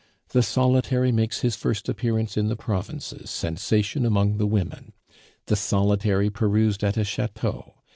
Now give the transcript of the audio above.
"The Solitary makes his first appearance in the provinces; sensation among the women. The Solitary perused at a chateau.